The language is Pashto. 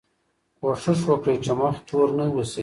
کوښښ وکړئ چې مخ تور نه اوسئ.